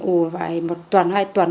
ủ phải một tuần hai tuần